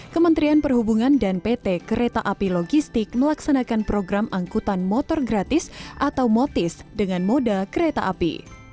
kementerian perhubungan dan pt kereta api logistik melaksanakan program angkutan motor gratis atau motis dengan moda kereta api